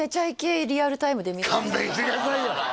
勘弁してくださいよ